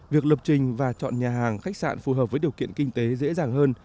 việc lập trình và chọn nhà hàng khách sạn phù hợp với điều kiện kinh tế dễ dàng hơn